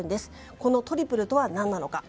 このトリプルとは何なのか。